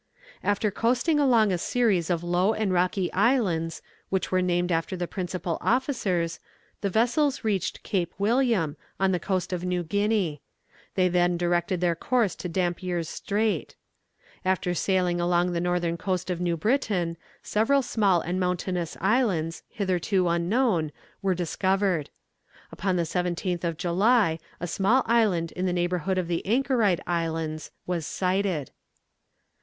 After coasting along a series of low and rocky islands, which were named after the principal officers, the vessels reached Cape William, on the coast of New Guinea. They then directed their course to Dampier's Strait. After sailing along the northern coast of New Britain, several small and mountainous islands, hitherto unknown, were discovered. Upon the 17th of July a small island in the neighbourhood of the Anchorite Islands was sighted.